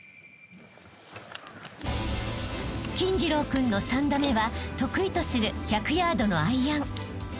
［金次郎君の３打目は得意とする１００ヤードのアイアン］